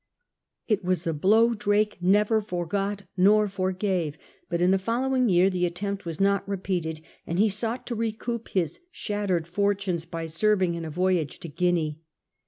It was a blow Drake never forgot nor forgave, but in the following year the attempt was not repeated, and he sought to recoup his shattered fortunes by serving in a voyage to Guinea.